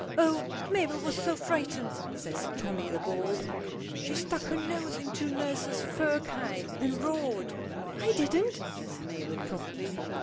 "Oh, Mabel was so frightened!" says Tommy, the Bold. "She stuck her nose into nurse's fur cape and roared!" "I didn't!" says Mabel promptly.